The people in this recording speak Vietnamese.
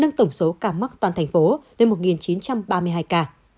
nâng tổng số ca mắc toàn thành phố lên một chín trăm ba mươi hai ca